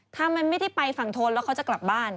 ถ้ามันไม่ได้ไปฝั่งโทนแล้วเขาจะกลับบ้าน